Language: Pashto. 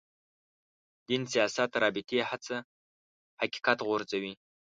دین سیاست رابطې هڅه حقیقت غورځوي.